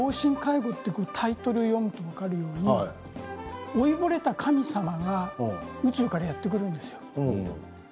タイトル読んで分かるように老いぼれた神様が宇宙からやって来るんです。